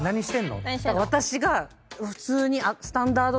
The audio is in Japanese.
私が普通に。